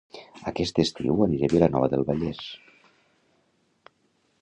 Aquest estiu aniré a Vilanova del Vallès